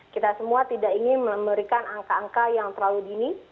kita semua tidak ingin memberikan angka angka yang terlalu dini